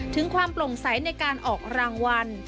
ถึงความโปร่งใสในการออกรางวัล